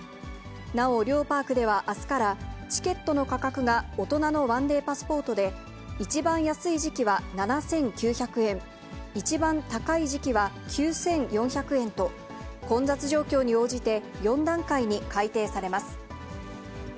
なお、両パークではあすからチケットの価格が大人の１デーパスポートで一番安い時期は７９００円、一番高い時期は９４００円と、混雑状況に応じて４段階に改定されます。